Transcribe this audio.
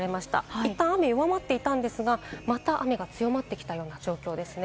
いったん雨は弱まっていたんですが、また強まってきた状況です。